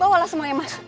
bawalah semuanya masuk